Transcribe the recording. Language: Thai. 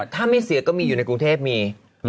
ถ้าไม่เสียก็มีอยู่ในกรุงเทพมี